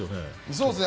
そうですね。